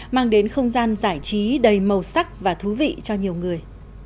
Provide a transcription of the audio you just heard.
mang đến không gian giải trí đầy màu sắc và thú vị cho nhiều người